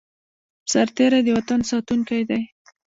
سرتیری د وطن ساتونکی دی